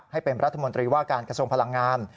ให้เป็นรัฐมนตรีว่าการกระทรวงพลังงาน